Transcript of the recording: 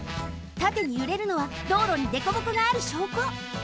たてにゆれるのは道路にでこぼこがあるしょうこ。